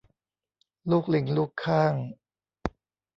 ลูกลิงลูกค่าง